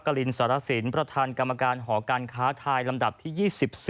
ลินสารสินประธานกรรมการหอการค้าไทยลำดับที่๒๔